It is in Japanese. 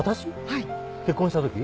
はい。